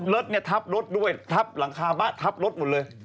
รถทับรถด้วยทับหลังคาทับรถหมดเลย